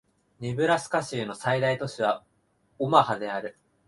ネブラスカ州の最大都市はオマハである